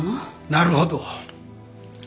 なるほど。